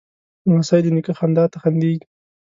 لمسی د نیکه خندا ته خندېږي.